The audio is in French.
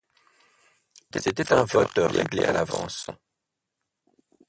C’était un vote réglé à l’avance.